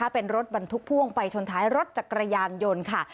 เป็นรถบรรทุกพ่วงไปชนท้ายรถจักรยานยนต์ค่ะ